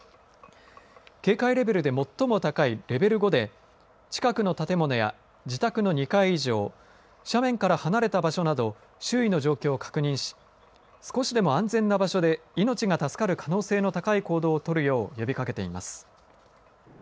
警戒レベルで最も高いレベル５で近くの建物や自宅の２階以上斜面から離れた場所など周囲の状況を確認し少しでも安全な場所で命が助かる可能性の高い行動をとるよう呼びかけています。